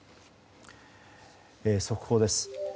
速報です。